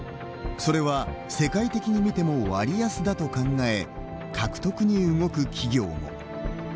それは世界的に見ても割安だと考え、獲得に動く企業も。